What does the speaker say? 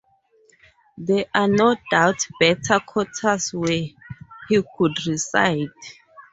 There are no doubt better quarters where he could reside.